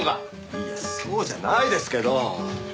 いやそうじゃないですけど。